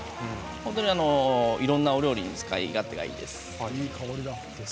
本当にいろいろなお料理に使い勝手がいいです。